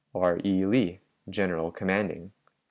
"R. E. LEE, _General commanding.